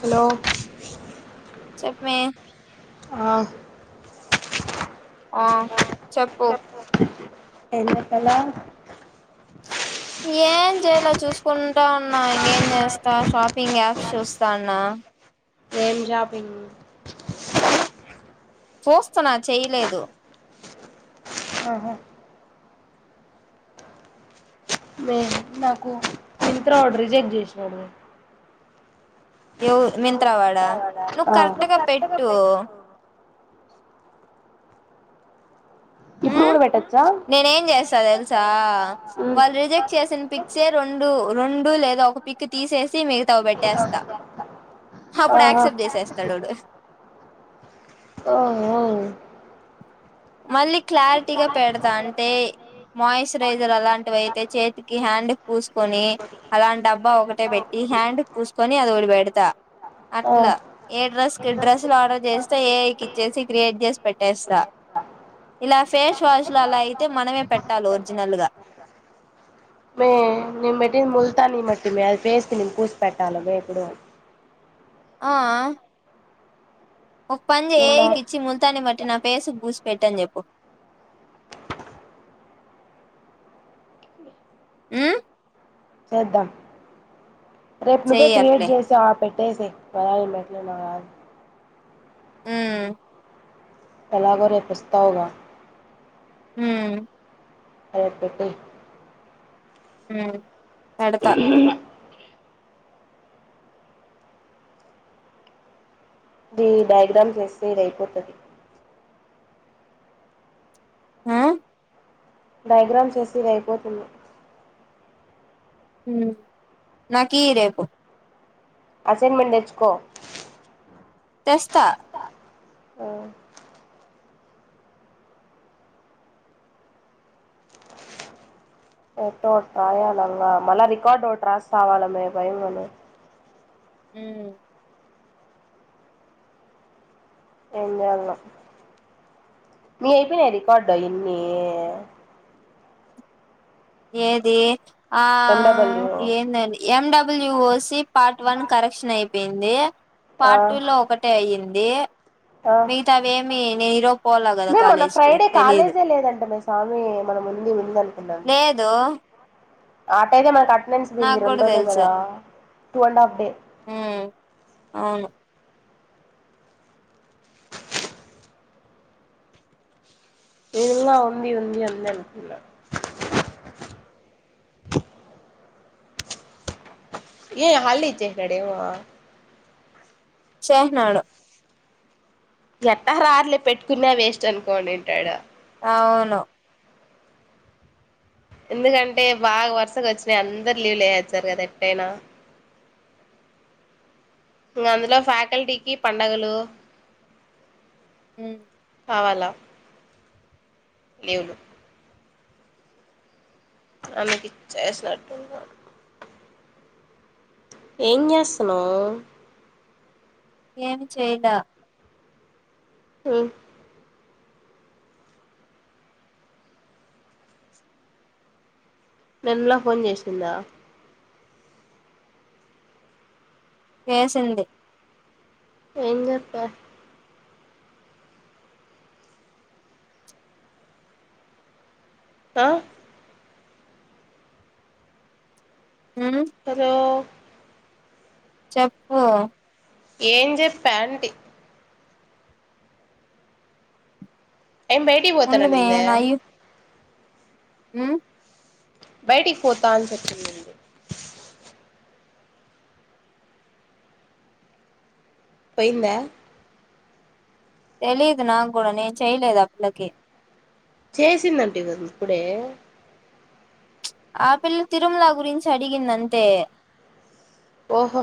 Hello చెప్పు మే ఆ ఆ చెప్పు ఎందుకలా ఏం చేయలే చూసుకుంటా ఉన్నా తాన్న ఏం షాపింగ్ చూస్తున్నా చేయలేదు ఆహా మే నాకు మింత్ర ఆర్డర్ రిజెక్ట్ జేసినాడు ఏవ మింత్రావాడ నువ్వు ఆ కరెక్ట్గా పెట్టు ఇప్పుడు కూడా బే నేనే ఏం చేస్త తెలుసా వాళ్ళు రిజెక్ట్ చేసిన పిక్సే రెండు రెండు లేదా ఒ క్ పిక్ తీసేసి మిగతావ్ పెట్టేస్తా అప్పుడు ఆహా యాక్సెప్ట్ చేసేస్తాడువాడు ఓ ఒ మళ్ళీ క్లారిటీగా పెడతా అంటే మాయిశ్చరైజర్ అలాంటివి అయితే చేతికి హ్యాండ్ డ్ పూసుకొని అలాంటి డబ్బా ఒకటే పెట్టి హ్యాండ్ పూసుకొని అది ఓకటి బేడతా ఆ అట్లా ఏ డ్రెస్ కి డ్రెస్సులు ఆర్డర్ చేస్తే ఏఐకి ఇచ్చేసి క్రియేట్ చేసి పెట్టేస్తా ఇలాస్ ఫేస్ వాష్ లో అలా అయితే మనమే పెట్టాలి ఒరిజినల్ గా మే నెను పెట్టింది ముల్తానీ మట్టిమే అది ఫేస్ కి నేను పూసి పెట్టాలమే ఇప్పుడు అ..... ఆ ఒక్ పన్ నిన్న చెయ్ కిచ్చి ముల్తాని మ నా పేస్ కి బూసి పెట్టని చెప్పు మ్.... చేద్దాం రేపు నువ్వే చెయ్యి క్రియేట్ అట్లే చేసి ఆపెయ్ కావాలని పెట్టలే నాకు రాదు ఉమ్ ఎలాగో రేప్ వేస్తావ్ గ ఉమ్ సరే పెట్టేయ్ ఉమ్ పెడతా ఇ డయాగ్రామ్స్ ఎస్తే ఇది అయిపోతది ఆ డయాగ్రామ్ ఏస్తె ఇది అయిపోతుంది ఉమ్ నాకీయి రేపు అసైన్మెంట్ తెచ్చుకో తెస్తా ఆ ఎట్టో గొట్ట రాయాలంగా మళ్ళా రికార్డు ఒటి రాస్ సవాల మే భయం గుంది ఉమ్ ఏం జేయాలనొ నీయి అయిపోనయ రికార్డ్ అయన్నీ ఏది ఆ ఎండబ్ల్యూ ఏందండి MW OC part one correction అయిపోయింది ఆ పార్ట్ టూ లో ఒకటే అయ్యింది ఆ మిగతావి ఏమి నేను ఈరోజు పోలా కదా మేమోన్న కాలేజ్ కి ఫ్రైడే తెలీదు కాలేజే లేదంటే నె సామి మ ఉంది ఉందనుకున్నం లేదు ఆట అయితే మనకి అటెండెన్స్ పోయింది నాకు రెండు రోజులే కదా టూ అండ్ హాఫ్ డే ఊమ్ అవును దినిలా ఉంది ఉంది అంద అనుకున [inaudible] ఏ హాలి డే ఇచ్చేసినాడేమో ఇచ్చెసినాడు ఎట్టారార్లే పెట్టుకునే వేస్ట్ అనుకోనింటాడు అవును ఎందుకంటే బాగా వరుసకు ఒచ్చినయి అందరు లీవలు వొచ్చారు గదా ఎట్టైనా [inaudible] ఇంగ అందులో ఫ్యాకల్టీకి పండగలు ఉమ్ కావాలా లీవులు ఆమెకిచ్చేసినట్టున్నాడు ఎంజేస్తున్నావ్ ఏమి చేయాలా ఉమ్ నిన్ లా ఫోన్ జేసిందా కేసింది ఎంజెప్పావ్ ఆ ఉమ్ అదో చెప్పు ఏం జెప్పా ఆంటీ ఏం ఉండు మే బయటికివోతననిందా నాయు ఉమ్ బయటికి పోతా అని చెప్పిందంది పొయిందా తెలిదు నాక్ గూడా నేన్ చేయలేదు ఆ పిల్లకి చేసిందంటివి గదిప్పుడే ఆ పిల్ల తిరుమలా గురించి అడిగింది అంతే ఓహో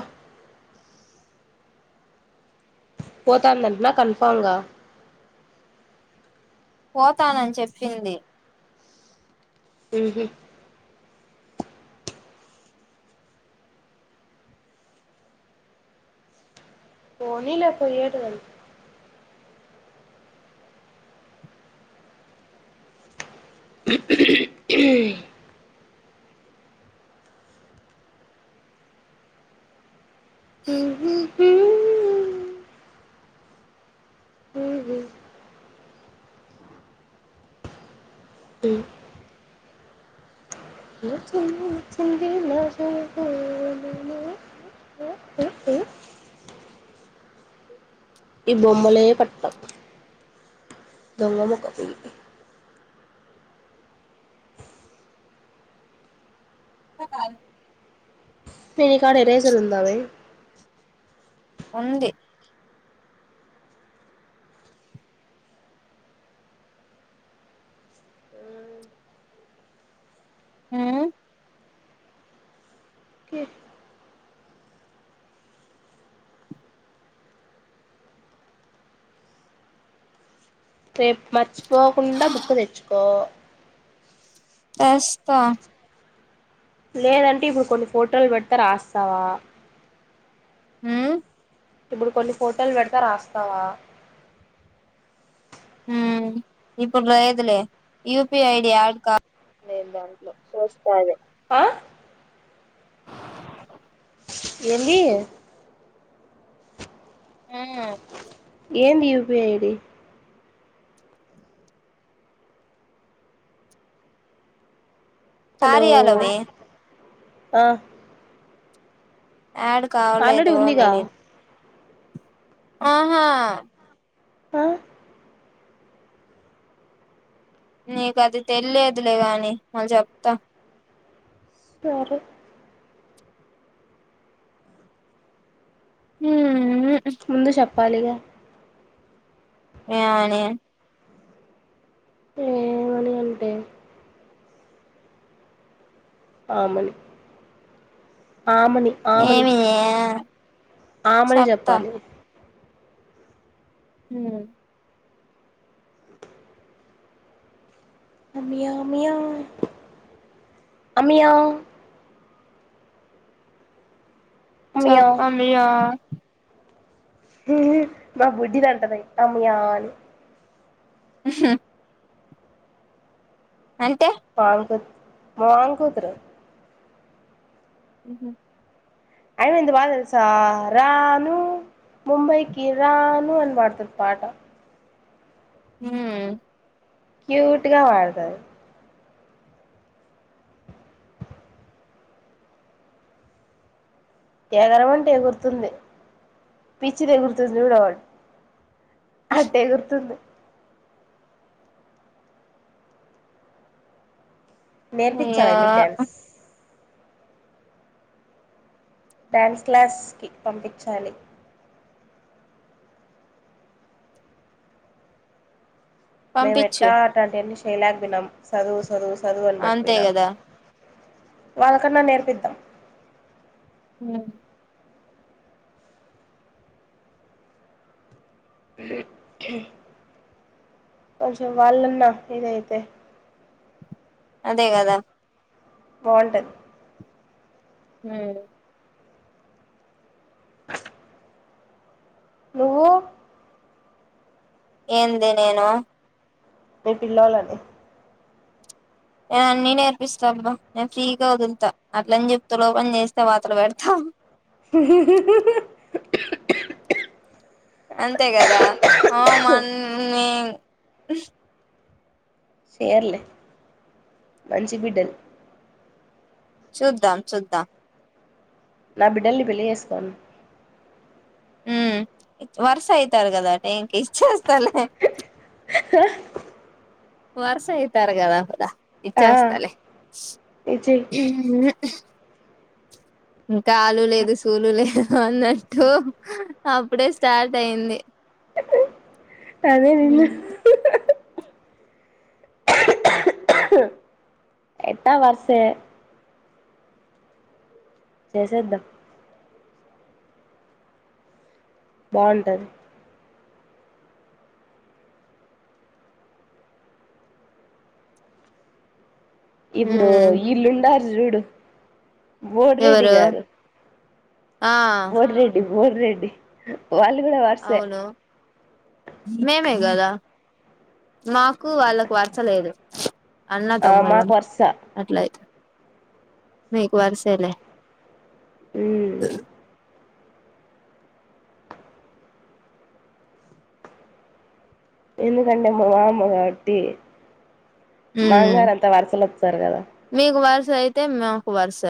పోతాందంటన కన్ఫార్గా పోతానని చెప్పింది ఉహు పోనీలే పోయేటిదది ఉహ్ ఉహ్ ఉమ్ ఉహు ఉమ్ ఊహ్మ్ ఉమ్ ఒచ్చింది ఒచ్చింది నా చినుకు ఇబొమ్మలే పట్టం దొంగ మోకపియి కాల్ ఏ నీకాడ ఏరెసర్ వుందావే ఉంది హ్మ్ రేప్ మర్చిపోకుండా బుక్ తెచ్చుకో తేస్తా లేదంటే ఇప్పుడు కొన్ని ఫోటోలు పెడితా రాస్తావా ఉమ్ ఇప్పుడు కొన్ని ఫోటోలు పెడతా రాస్తావా హు ఇప్పుడు లేదులే యుపి ఐడి ఆడ్ కా లేను దాంట్లో సుస్తాలే ఆహ్ ఏందీ హు ఏందీ యూపి ఐడి హలో కార్యలో మే ఆ ఆడ్ ఆల్రెడీ కావలేదు అని ఉందిగా అడి ఆహా ఆ నీకు అది తెలియదులే గానీ మళ్ళా చెప్తా సరే హ్మ్ ముందు చెప్పాలిగా ఏమని ఏమని అంటే ఆమని ఆమని ఆమని ఏమి ఆమని చెప్తా చెప్పాలి హ్మ్ మియావ్ మియావ్ అమియా అమియా చెప్పండి యా హు హు మా బుడ్డిదంటది అమియా అని హుహు అంతే మామ కూతురు మా మామ కూతురు ఉహూ అయిన ఎంత బాగా తెలుసా రాను ముంబైకిిరాను అని పాడుతది పాట హ్మ్ క్యూట్ గా పాడతది ఎగరమంటే ఎగురుతుంది పిచ్చిది ఎగురుతుంది చూడు అట్టే ఎగురుతుంది నేర్పించాలి అయ్యో ఆయమ్మీ కి డ్యాన్స్ డ్యాన్స్ క్లాస్ కి పంపించాలి మేము పంపించు ఎట్టా అట్టాంటియన్ని చేయలేక పోయినాం చదువు చదువు చదువు అని బట్టి అంతే పోనాం కదా వాళ్ళకన్నా నేర్పిద్దాం హు కొంచెం వాళ్ళన్నా ఇదైతే అదే కదా బాగుంటది హ్మ్ నువ్వు ఏంది నేను మీ పిల్లోలని నేను అన్ని నేర్పిస్తా అబ్బా నేను ఫ్రీగా వదులుతా అట్లని చెప్పి తులగపని చేస్తే వాతలు పెడతా [inaudible] అంతే కదా అ మ నే చేయర్లే మంచి బిడ్డలు చూద్దాం చూద్దాం నా బిడ్డల్ని పెళ్లి చేసుకోను హ్మ్ వరుస అయితారు కదా టైంకి ఇచ్చేస్తలే హ వరుసయితారుగదా అంతా ఆ ఇచ్చేస్తాలే ఇచ్చి ఇంకా ఆలు లేదు సూలు లేదు అన్నట్టు అప్పుడే స్టార్ట్ అయింది అదే నిన్న ఉమ్ ఎట్టా వర్సే చేసేద్దాం బావుంటది ఇప్పుడు ఈల్లుండారు చూడు బోడిరెడ్డి ఎవరు గారు ఆ బోర్ రెడ్డి వాళ్ళు కూడ వర్సె అవును మేమే కదా మాకు వాళ్ళకు వరసలేదు అన్న ఆ మాకు తమ్ముల్లం వరుస అట్లా అయి మీకు వార సేలె ఉమ్ ఎందు కంటె మామ్మ కాబటి ఉమ్ మాంగారత్తా వరసలు వచ్చారు కదా జయితే మాకు వరుస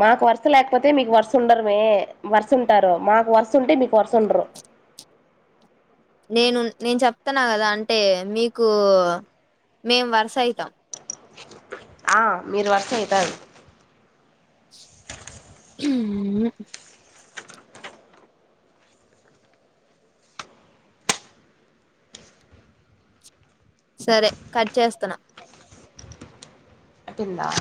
మాకు వరుస లేకపోతే మీకు వరుస ఉండరుమే వర్స ఉంటారు మాకు వర్స ఉంటే మీకు వర్స ఉండరు నేను నేను చెప్తన్న కదా అంటే మీకు మేమ్ వర్స అయితాం ఆ మీరు వర్స ఉంటారు. మ్ సరే కట్ చేస్తున్న వినబడతుందా